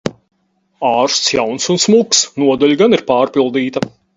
Ārsts jauns un smuks. Nodaļa gan ir pārpildīta...